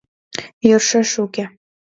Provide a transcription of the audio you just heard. — Йӧршеш уке.